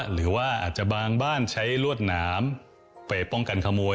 หรือว่าอาจจะบางบ้านใช้รวดหนามไปป้องกันขโมย